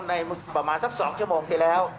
ประมาณสัก๒ชั่วโมงที่แล้ว